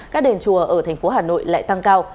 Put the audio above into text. các đền chùa ở thành phố hà nội lại tăng cao